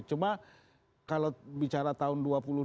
cuma kalau bicara tahun dua ribu dua puluh